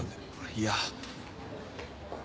いや。